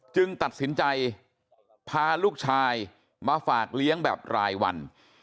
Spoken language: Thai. ตัดสินใจพาลูกชายมาฝากเลี้ยงแบบรายวัน